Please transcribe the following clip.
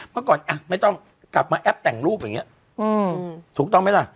เมื่อก่อนไม่ต้องกลับมาแอปแต่งรูปอย่างนี้ถูกต้องไหมล่ะ